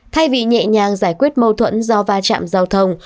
thay vì nhẹ nhàng giải quyết mâu thuẫn do va chạm giao thông